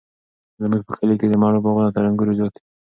زموږ په کلي کې د مڼو باغونه تر انګورو زیات دي.